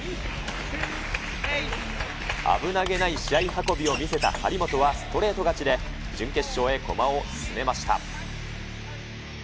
危なげない試合運びを見せた張本はストレート勝ちで、準決勝へ駒を進めました。